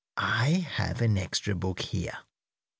"I have an extra book here."